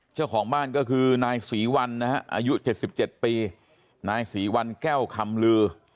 เจ้าของบ้านก็คือนายศรีวันนะฮะอายุ๗๗ปีนายศรีวัลแก้วคำลือ